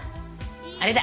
あれだ。